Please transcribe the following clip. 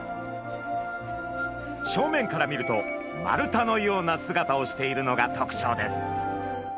正面から見ると丸太のような姿をしているのがとくちょうです。